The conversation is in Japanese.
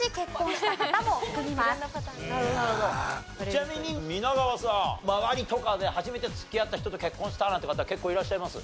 ちなみに皆川さん周りとかで初めて付き合った人と結婚したなんて方結構いらっしゃいます？